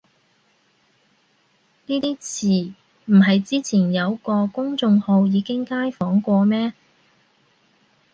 呢啲詞唔係之前有個公眾號已經街訪過咩